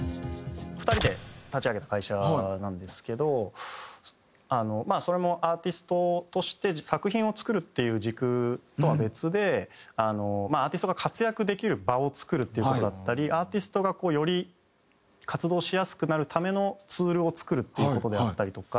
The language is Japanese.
２人で立ち上げた会社なんですけどまあそれもアーティストとして作品を作るっていう軸とは別でアーティストが活躍できる場を作るっていう事だったりアーティストがこうより活動しやすくなるためのツールを作るっていう事であったりとか。